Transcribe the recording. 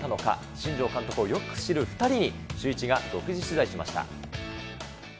新庄監督をよく知る２人にシューイチが独自取材しました。